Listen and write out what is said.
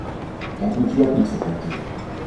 Dat moet u ook niet vergeten.